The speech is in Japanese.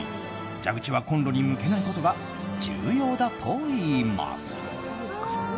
蛇口をコンロに向けないことが重要だといいます。